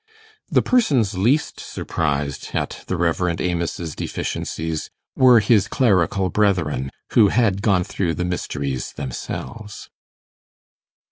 The persons least surprised at the Rev. Amos's deficiencies were his clerical brethren, who had gone through the mysteries themselves.